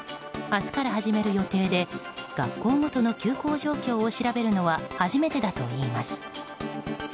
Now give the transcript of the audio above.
明日から始める予定で学校ごとの休校状況を調べるのは初めてだといいます。